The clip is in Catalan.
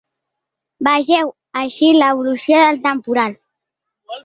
Vegeu ací l’evolució del temporal.